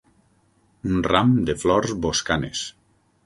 Un ram de flors boscanes.